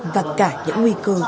và cả những nguy cơ